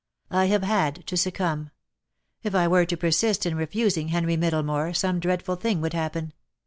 "I have had to succumb. If I were to persist in refusing Henry Middlemore, some dreadful thing would happen.